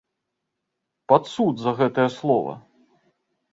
Пад суд за гэта слова!